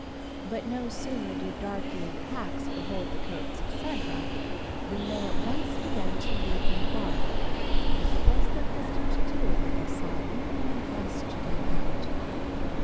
But no sooner did Darkie and Pax behold the coats, etc., than they at once began to leap and bark, as it was their custom to do when they saw any one dressing to go out.